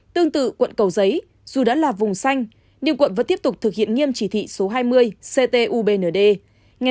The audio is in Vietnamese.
tương tự quận cầu giấy dù đã là vùng xanh nhưng quận vẫn tiếp tục thực hiện nghiêm chỉ thị số hai mươi ct ubnd ngày ba chín hai nghìn hai mươi một